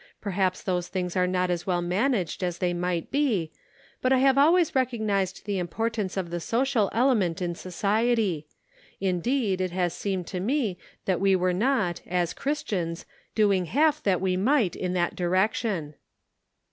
Perhaps those tilings are not as well managed as they might be, but I have always recognized the im portance of the social element in society ; indeed, it has seemed to me that we were not, as Christians, doing half that we might in that direction."